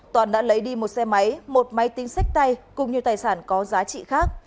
toàn đã lấy đi một xe máy một máy tính sách tay cùng nhiều tài sản có giá trị khác